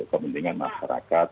untuk kepentingan masyarakat